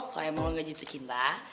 kalau emang gak jatuh cinta